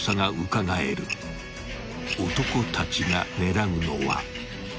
［男たちが狙うのは］